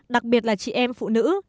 đặc biệt là chị em phụ nữ